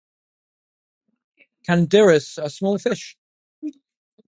Candirus are small fish.